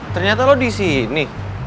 ternyata lo disini